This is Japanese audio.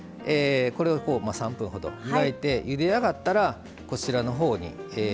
これを３分ほど湯がいてゆで上がったらこちらのほうに。